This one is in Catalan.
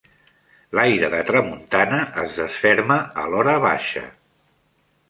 L'aire de tramuntana es desferma a l'horabaixa.